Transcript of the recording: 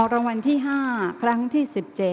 รางวัลที่๕ครั้งที่๑๗